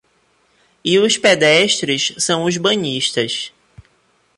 E os pedestres são os banhistas